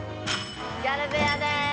ギャル部屋です！